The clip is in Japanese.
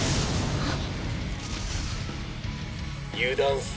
あっ。